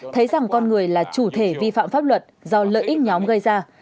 thấy rằng con người là chủ thể vi phạm pháp luật do lợi ích nhóm gây ra